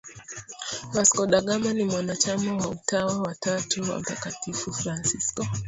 Vasco da Gama ni mwanachama wa Utawa wa Tatu wa Mtakatifu Fransisko